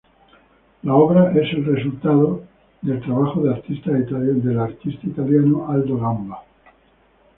La obra es resultado del trabajo del artista italiano Aldo Gamba.